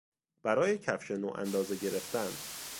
برای کفش نو اندازه گرفتن